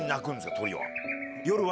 鳥は。